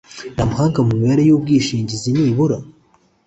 n umuhanga mu mibare y ubwishingizi nibura